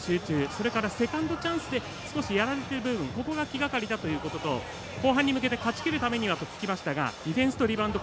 それからセカンドチャンスで少しやられている部分そこが気がかりだということと後半に向けて勝ちきるためにはディフェンスとリバウンド